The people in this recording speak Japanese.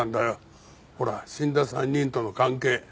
ほら死んだ３人との関係。